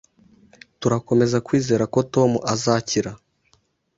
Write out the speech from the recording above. Turakomeza kwizera ko Tom azakira